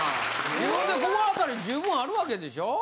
自分で心当たり十分あるわけでしょう？